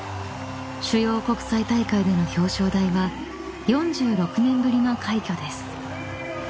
［主要国際大会での表彰台は４６年ぶりの快挙です］